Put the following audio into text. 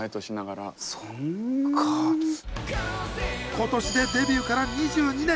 今年でデビューから２２年。